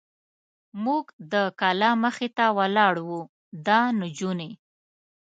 موږ د کلا مخې ته ولاړ و، دا نجونې.